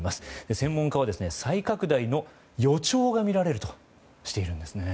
専門家は、再拡大の予兆がみられると指摘しています。